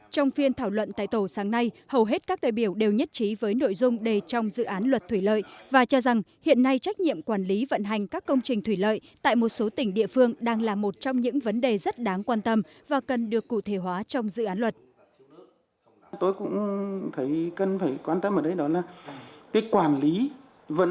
trong phiên thảo luận tài tổ sáng nay hầu hết các đại biểu đều nhất trí với nội dung đề trong dự án luật thủy lợi và cho rằng hiện nay trách nhiệm quản lý vận hành các công trình thủy lợi tại một số tỉnh địa phương đang là một trong những vấn đề rất đáng quan tâm và cần được cụ thể hóa trong dự án luật